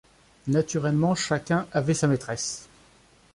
Naturellement chacun avait sa maîtresse.